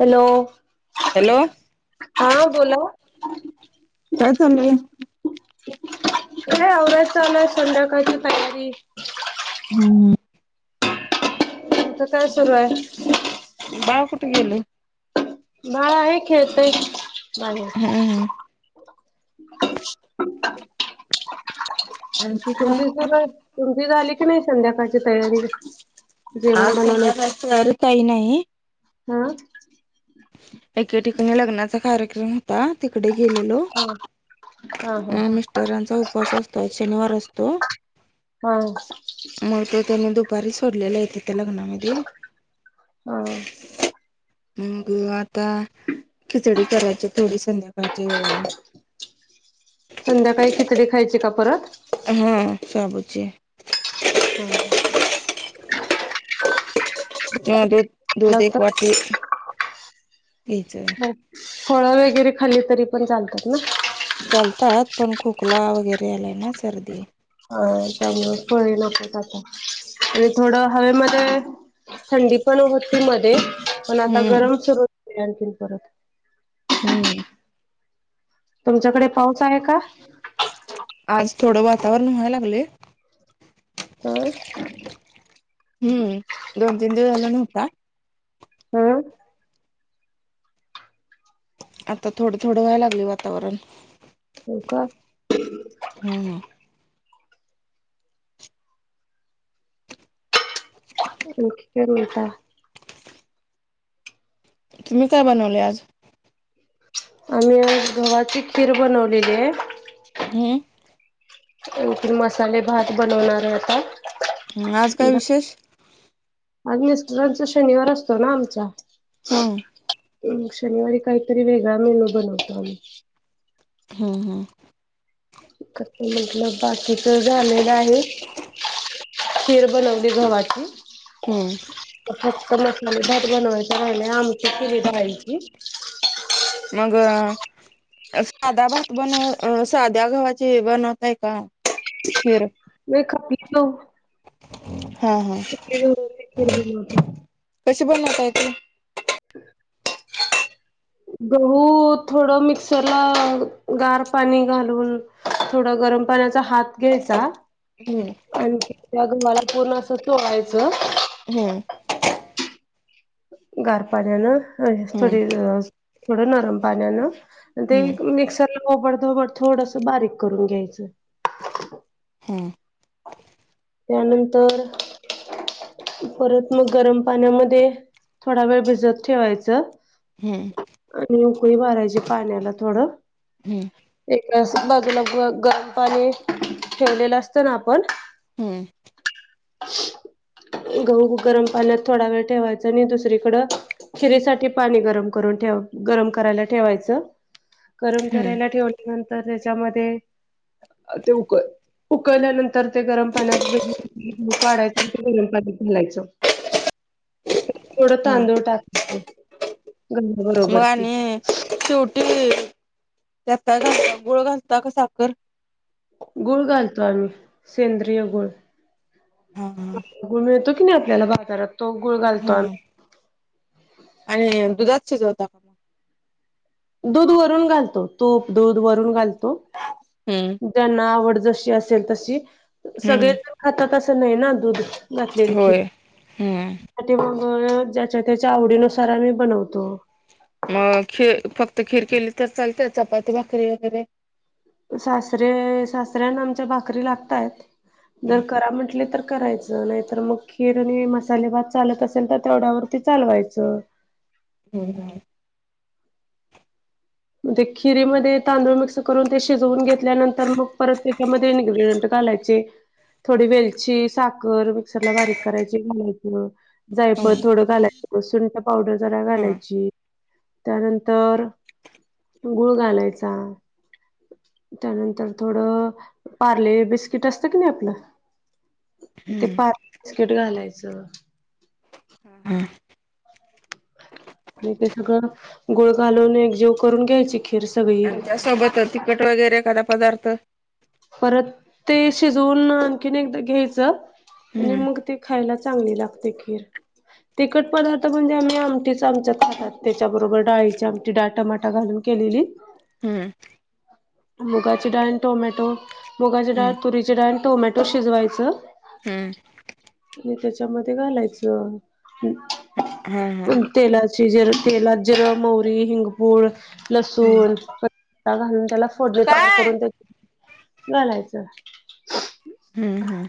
Hello. Hello. हा बोला. कायच. अरे आवघत चाला संंडकाची तयारी हम्म हम. आता काय सुरू आहे. बाव कुठे गेल. भाळा आहे खेळेतय बा. हम्म आणखी काय तुमची सुर तुमची झाली की नाही संध्याकाळची तयारी कशी? आज संगाचर काही नाही. हा. एके ठिकाणी लग्नाचा कार्यक्रम होता तिकडे गेलेलो. हा हा ह मिस्टरांचा उपवास असतो शनिवार असतो. हा. दपारी सोडलेला आहेेते त्या लग्नामध्ये हा. ग आता खिचडी करायची थोडी संध्याकाळच्या वेळेला. [unintelligible] संध्याकाळी खिचडी खायची का परत हा सबज हम् ह दुध दुध एक वाटीच. फळं वगैरे खाली तरी पण चालतात ना चालतात पण खोकला वगैरे आलाय ना सर्दी. हा त्यामुळे प नको आता आणि थोडं हवेमध्ये थंडी पण होती मध्ये पण आता हम्म गरम सुरू हो आणखीन परत. हम्म तुमच्याकडे पाऊस आहे का? आज थोडं वातावरण व्हाय लागले. ह हम्म दोन तीन दिवस झाला नव्हता. हम् आता थोडं थोडं व्हाय लागली वातावरण हो का हा ता तुम्ही काय बनवले आज आम्ही आज गव्हाची खीर बनवलेली आहे. हम्म आण त मसाले भात बनवणार आहे आता. ह आज काय विशेष अग्चा शनिवार असतो ना आमचा हम्म शनिवारी काहीतरी वेगळा मेनू बनवतो आम्ही हम हम कस म्हटलं बाकीच झालेलं आहे. खीर बनवली घवा्हाची हम्म फटक नाखली भात बनवायचं राहिला आमची केली ायची. मग साध्या भात बनव साध्या गव्हाचे बनवतय का फिर वे खपली गहू हा हा खपली गहू नीट करू म्हणालतो. कशी बनवताय? [inaudible] गहू थोड मिक्सरला गार पाणी घालून थोडा गरम पाण्याचा हात घ्यायचा. हम्म आणि त्या गव्हाला पूर्ण असं चोळायचं. हम्म गार पाण्यानं हम्म थोडी थोडं नरम पाण्यानं ते हम्म मिक्सरला ओबडधोबड थोडस बारीक करून घ्यायचं. त्यानंतर परत मग गरम पाण्यामध्ये थोडा वेळ भिजत ठेवायचं. हम्म आणि उकळी भरायची पाण्याला थोडं हम्म एका सा बाजूला ग गरम पाणी ठेवलेलं असतं ना आपण हम्म हम्म गहू गरम पाण्यात थोडा वेळ ठेवायचा आणि दुसरीकडं खिरीसाठी पाणी गरम करून ठेव गरम करायला ठेवायचं. गरम करायला हम्म ठेवल नंतर त्याच्यामध्ये ते उक उकल्यानंतर ते गरम पाण्यात [unintelligible] घालायचं. थोडं हा तांदूळ टाक मग आणि शेवटी त्यात काय घालता गुळ घालता का साखर? गुळ घालतो आम्ही सेंद्रिय गुळ हा हा गुळ मिळतो की नाही आपल्याला बाजारात तो गुळ घालतो हम्म आम्ही आणि दुधात शिजवता दूध वरून घालतो तूप, दूध वरून घालतो. हम्म ज्यांना आवड जशी असेल तशी सगळे हम्म जण खातात असं नाही ना दूध घातलेले की होय. हम्म मग ज्याच्या त्याच्या आवडीनुसार आम्ही बनवतो. मग खी फक्त खीर केली तर चालते चपाती, भाकरी वगैरे सासरे सासऱ्याना आमच्या भाकरी लागतायेत जर करा म्हटले तर करायचं. नाहीतर मग खीर आणि मसाले भात चालत असेल तर तेवढ्यावरती चालवायचं. हो हो. मग ते खिरी मध्ये तांदूळ मिक्स करून ते शिजवून घेतल्यानंतर मग परत त्याच्यामध्ये इन्ग्रीडियंट घालायचे. थोडी वेलची, साखर मिक्सर ला बारीक करायची [unintelligible] जायफळ हम्म थोडं घालायचं, सुंठ पावडर जरा घालायची त्यानंतर गुळ घालायचा. त्यानंतर थोडं पार्ले बिस्किट असतं की नाही आपलं ते पार्ले बिस्किट घालायचं. हम्म. आणि ते सगळं गुळ घालून एकजीव करून घ्यायची. खिर सगळी आणि त्यासोबत तिखट वगैरे एखादा पदार्थ परत ते शिजवून आणखीन एकदा घ्यायचं. आणि हम्म मग ते खायला चांगली लागते खीर तिखट पदार्थ म्हणजे आम्ही आमटीच आमच्यात खातात. त्याच्याबरोबर डाळीची आमटी डाळ, टमाटा घालून केलेली हम्म मुगाची डाळ आणि टोमॅटो मुगाची डाळ, हम्म तुरीची डाळ आणि टोमॅटो शिजवायच. हम्म आणि त्याच्यामध्ये घालायचं हा हा तेलाची तेलात जरा जिरं मोहरी हिंगपूड हम्म लसूण प घालून त्याला फोडणी तयार काय? करून घालायचं हम्म हम्म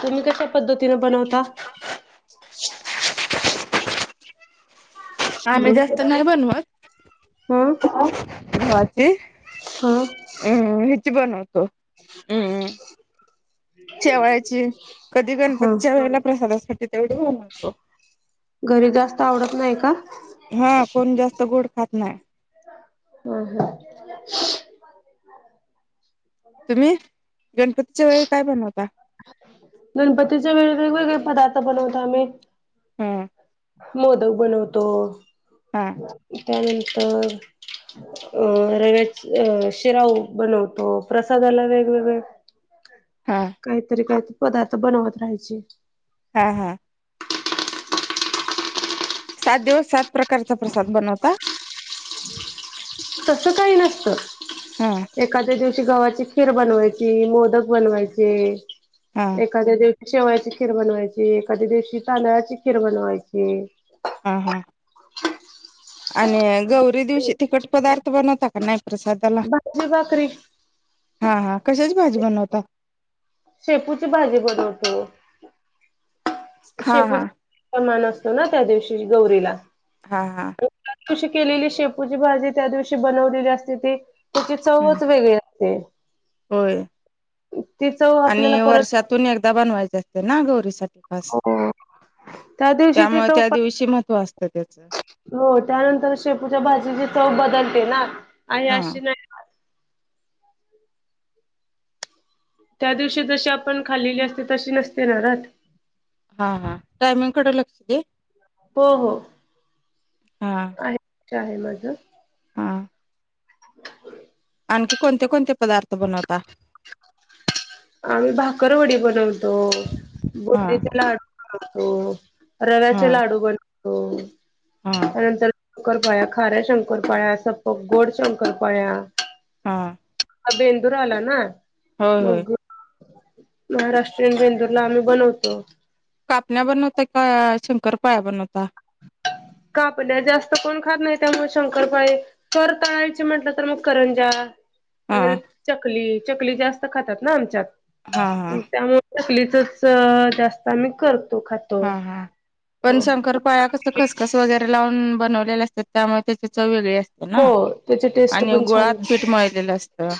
तुम्ही कशा पद्धतीने बनवता आम्ही जास्त नाही बनवत हं माच हम्म हच बन होतो हम्म शेवळची कधी हा गणपतीच्या वला प्रसादासाठी तेवढी होऊतो घरी जास्त आवडत नाही का. हा कोण जास्त गोड खात नाही. हम ह. हो. तुम्ही गणपतीच्या वेळी काय बनवता. गणपतीचे व वेगवेगळे पदार्थ बनवतो आम्ही. हं मोदक बनवतो, हा. त्यानंतर अ रव्याच अ शिराऊ बनवतो प्रसादाला वेगवेगळे हा. काहीतरी काही पदार्थ बनवत राहायचे. हा, हा. सात दिवस, सात प्रकारचा प्रसाद बनवतात. तस काही नसत. हा. एखाद्या दिवशी गव्हाची खीर बनवायची, मोदक बनवायचे, हा एखाद्या दिवशी शेवळाची खीर बनवायची, एखाद्या दिवशी तांदळाची खीर बनवायची, हा, हा. आणि गौरी दिवशी तिखट पदार्थ बनवता का नाही प्रसादाला? भाजी भाकरी हा, हा कशाची भाजी बनवता? शेपूची भाजी बनवतो, हा हा शेपूची समान असतो ना त्या दिवशी गौरीला. हा हा. तशी केलेली शेपूची भाजी त्या दिवशी बनवलेली असते ते. त्याची हम्म चवच वेगळी असते. होय ती चव आपल्याला आणि परत वर्षातून एकदा बनवायच असते ना गौरीसाठी. त्या दिवशी ती त्यामुळे चव त्या दिवशी महत्व असतं त्याचं. हो त्यानंतर शेपूच्या भाजीची चव बदलते ना आणि हा अशी नाही. त्या दिवशी जशी आपण खालेली असते तशी नसते न राहात? हा, हा टायमिंग कडें लक्ष दे. हो, हो हा आहे, ते आहे माझ. हा ब [unintelligible] आणखी कोणते, कोणते पदार्थ बनवता? आम्ही भाकरवडी बनवतो, हा बुंदीचे लाडू बनवतो, हा रव्याचे लाडू बनवतो हा त्यानंतर शंकर पाळ्या, खार्या शंकर पाळ्या असता बघ गोड शंकर पाळ्या, हां. हा बेंदूर आला ना होय होय मग महाराष्ट्रीयन बेंदूरला आम्ही बनवतो. कापण्या बनवत का शंकर पाळ्या बनवता? कापण्या जास्त कोण खात नाही त्यामुळे शंकरपाळे कर तळायचे म्हंटलं तर मग करंज्या हा वगैरे चकली, चकली जास्त खातात ना आमच्यात हा हा त्यामुळे चकलीचच जास्त आम्ही करतो खाय हा, हा पण शंकर पाळ पाळ्या कस खसखस वगैरे लावून बनवले असतात. त्यामुळे त्याची चव वेगळी असते. ना हो त्याची टेस्ट आणि पण छान गुळात लागते पीठ मळलेलं असतं.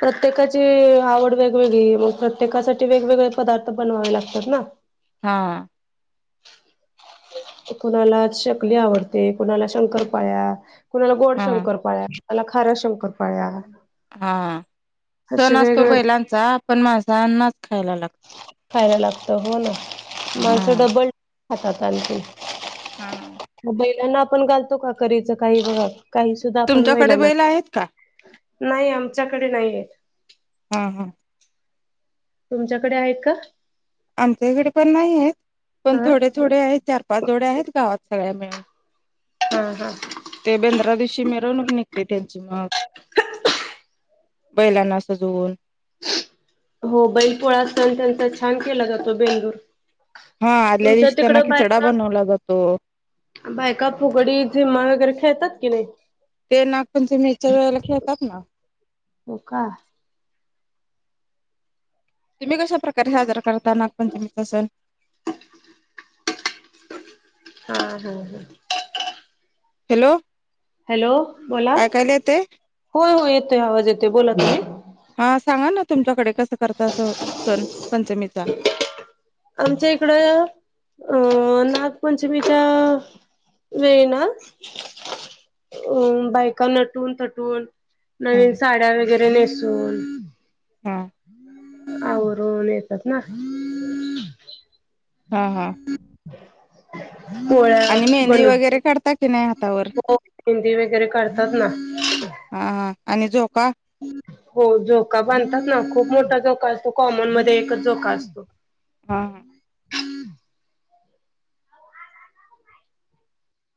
प्रत्येकाची आवड वेगवेगळी मग प्रत्येकासाठी वेगवेगळे पदार्थ बनवावे लागतात ना. हा. कुणाला चकली आवडते, कुणाला शंकर पाळ्या, कुणाला गोड हा शंकर, पाळ्या, त्याला खाऱ्या शंकर पाळ्या, हा सण असतो बैलांचा पण माझ मणसानाच खायला लागता. खायला लागतं हो ना माणसं हा. डबल खातात आणखी. हा, अ. मग बैलांना आपण घालतो का करीच काही बघा काही सुद्धा आपण तुमच्याकडे बैलांना बैल आहेत का? नाही आमच्याकडे नाहीये. हा, हा. तुमच्याकडे आहेत का? आमच्या इकडे पण नाही आहेत. पण हा थोडे, थोडे आहेत चार, पाच जोडे आहेत गावात सगळ्या मिळून. हम् हम ते बेंद्रा दिवशी मिरवणूक निघते त्यांची मग बैलांना सजवून हो बैलपोळा असल त्यांचा छान केला जातो बेंगलूर हा आदल्या दिवशी त्यांना खिचडा बनवला जातो बायका फुगडी झिम्मा वगैरे खेळतात की नाही ते नागण तुम्ही याच्या वेळेला खेळात ना होका तुम्ही कशाप्रकारे साजरा करता नागपंचमीचा सण हा हो हो हॅलो हॅलो बोला ऐकायला येते होय हो येतोय आवाज येतोय बोलात नाही हा सांगा ना तुमच्याकडे कसं करत असं सण पंचमीचा आमच्या इकडं अं नागपंचमीच्या वेळ ना अ बायकां नटून तटून ह नवीन साड्या वगैरे नेसून हा आून येतात ना हा हा हम् पोळ्या आणि मेहंदी बनून वगैरे काढता की नाही हातावर मेंदी वगैरे करतात ना हा हां आणि झो का हो झोका बांधतात ना खूप मोठा झोका असतो कॉमन मध्ये एकच झोका असतो हा हा